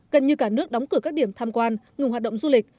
gần như cả nước đóng cử các điểm tham quan ngùng hoạt động du lịch